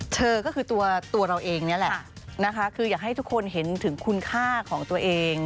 เธอก็คือตัวเราเองนี่แหละนะคะคืออยากให้ทุกคนเห็นถึงคุณค่าของตัวเอง